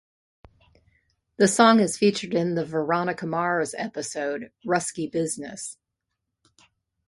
The song is featured in the "Veronica Mars" episode "Ruskie Business".